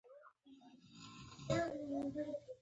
ازادي راډیو د بانکي نظام په اړه د مخکښو شخصیتونو خبرې خپرې کړي.